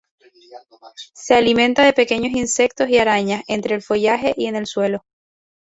Se alimenta de pequeños insectos y arañas, entre el follaje y en el suelo.